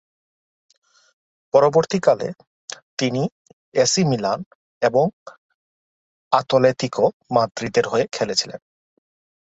পরবর্তীকালে, তিনি AC Milan এবং আতলেতিকো মাদ্রিদের হয়ে খেলেছিলেন।